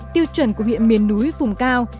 tiêu chuẩn của huyện miền núi vùng cao